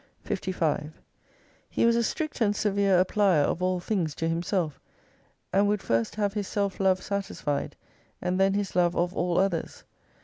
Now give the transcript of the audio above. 55 He was a strict and severe applier of all things to himself, and would first have his self love satisfied, and then his love of all others.